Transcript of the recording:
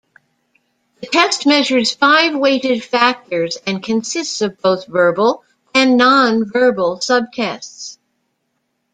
The test measures five weighted factors and consists of both verbal and nonverbal subtests.